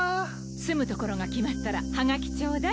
住むところが決まったらはがき頂戴。